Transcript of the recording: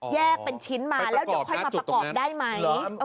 แยกเป็นชิ้นมาแล้วเดี๋ยวค่อยมาประกอบได้ไหม